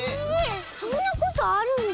そんなことあるんだ。